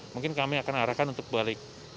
mungkin kami akan arahkan untuk balik